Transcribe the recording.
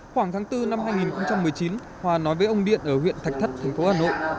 khoảng tháng bốn năm hai nghìn một mươi chín hòa nói với ông điện ở huyện thạch thất thành phố hà nội